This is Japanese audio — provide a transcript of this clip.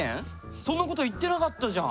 そんなこと言ってなかったじゃん！